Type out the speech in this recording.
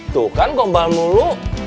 tuh kan gombal mulu